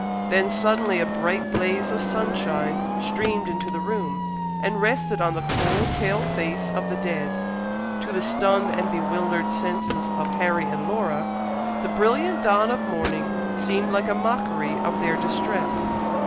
Then suddenly a bright blaze of sunshine streamed into the room, and rested on the cold pale face of the dead. To the stunned and bewildered senses of Harry and Laura, the brilliant dawn of morning seemed like a mockery of their distress.